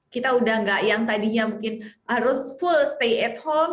kita udah gak yang tadinya mungkin harus full stay at home